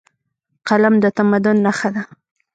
قلم د تمدن نښه ده.